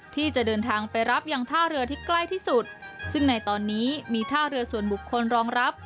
ที่จะเดินทางไปรับยังท่าเรือที่ใกล้ที่สุดซึ่งในตอนนี้มีท่าเรือส่วนบุคคลรองรับ